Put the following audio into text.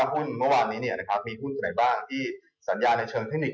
ขอบค้าที่เราตามห้วนเรื่องของของของเชิงเทคนิค